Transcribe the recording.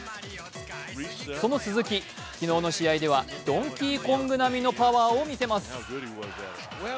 その鈴木、昨日の試合ではドンキーコング並みのパワーを見せます。